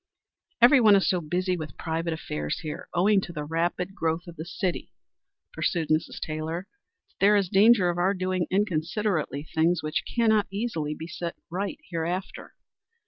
"Every one is so busy with private affairs here, owing to the rapid growth of the city," pursued Mrs. Taylor, "that there is danger of our doing inconsiderately things which cannot easily be set right hereafter.